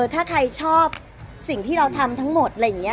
ถ้าใครชอบสิ่งที่เราทำทั้งหมดอะไรอย่างนี้